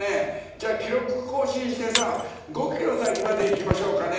「じゃあ記録更新してさ５キロ先まで行きましょうかね」。